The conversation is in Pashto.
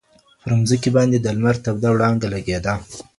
پر مځکي باندي د لمر توده وړانګه لګېده.